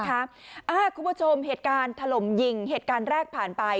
คุณผู้ชมเหตุการณ์ถล่มยิงเหตุการณ์แรกผ่านไป